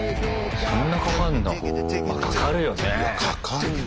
そんなかかんの？